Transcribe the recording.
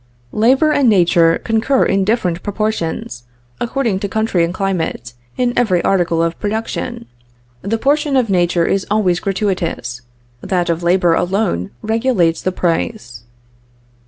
"Labor and Nature concur in different proportions, according to country and climate, in every article of production. The portion of Nature is always gratuitous; that of labor alone regulates the price.